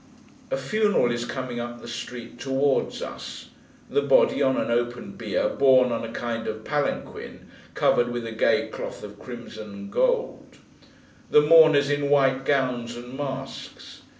A funeral is coming up the street, towards us. The body, on an open bier, borne on a kind of palanquin, covered with a gay cloth of crimson and gold. The mourners, in white gowns and masks.